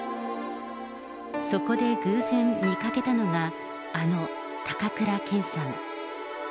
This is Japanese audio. そこで偶然見かけたのが、あの高倉健さん。